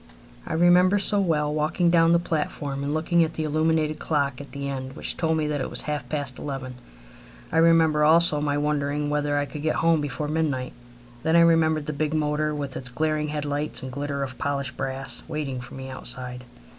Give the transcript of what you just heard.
I remember so well walking down the platform and looking at the illuminated clock at the end which told me that it was half past eleven. I remember also my wondering whether I could get home before midnight. Then I remember the big motor, with its glaring head lights and glitter of polished brass, waiting for me outside.